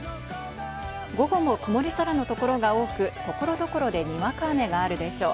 午後も曇り空のところが多く、所々でにわか雨があるでしょう。